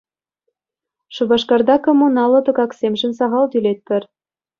Шупашкарта коммуналлӑ тӑкаксемшӗн сахал тӳлетпӗр.